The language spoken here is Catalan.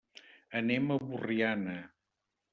Anem a Borriana.